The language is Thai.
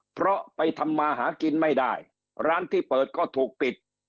เพราะไปทำมาหากินไม่ได้ร้านที่เปิดก็ถูกปิด